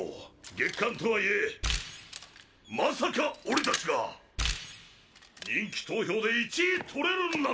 月間とはいえまさか俺たちが人気投票で１位獲れるなんて！